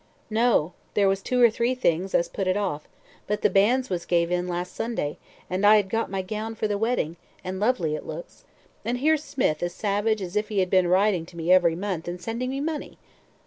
"No; there was two or three things as put it off; but the banns was gave in last Sunday, and I had got my gown for the wedding, and lovely it looks and here's Smith as savage as if he had been writing to me every month and sending me money."